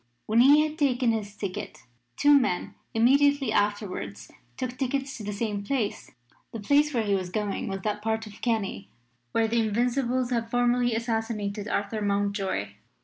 When he had taken his ticket two men immediately afterwards took tickets to the same place. The place where he was going was that part of Kerry where the Invincibles had formerly assassinated Arthur Mountjoy.